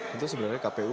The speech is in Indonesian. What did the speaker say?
itu sebenarnya kpu